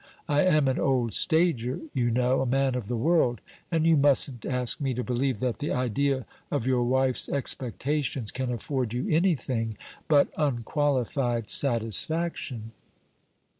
I am an old stager, you know a man of the world; and you mustn't ask me to believe that the idea of your wife's expectations can afford you anything but unqualified satisfaction."